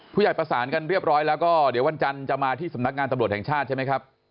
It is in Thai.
ผู้ใหญ่ประสานกันเรียบร้อยแล้วก็เดี๋ยววันจันทร์จะมาที่สำนักงานตำรวจแห่งชาติใช่ไหมครับ